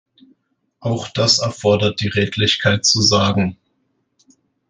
Auch das erfordert die Redlichkeit zu sagen.